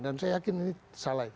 dan saya yakin ini salah